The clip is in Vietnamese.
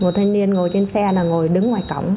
một thanh niên ngồi trên xe là ngồi đứng ngoài cổng